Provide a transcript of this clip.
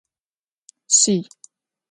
Şsiy.